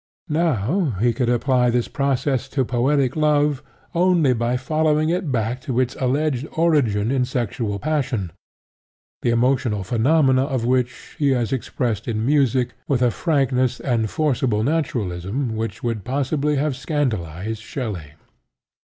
Now he could apply this process to poetic love only by following it back to its alleged origin in sexual passion, the emotional phenomena of which he has expressed in music with a frankness and forcible naturalism which would possibly have scandalized Shelley.